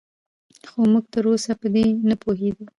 خو موږ تراوسه په دې نه پوهېدو